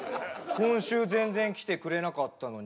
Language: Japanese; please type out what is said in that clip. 今週全然来てくれなかったのに？